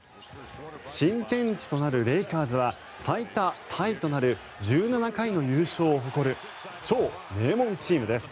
新天地となるレイカーズは最多タイとなる１７回の優勝を誇る超名門チームです。